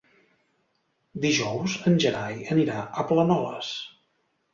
Dijous en Gerai anirà a Planoles.